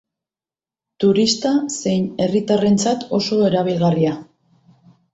Turista zein herritarrentzat oso erabilgarria.